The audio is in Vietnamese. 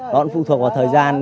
nó cũng phụ thuộc vào thời gian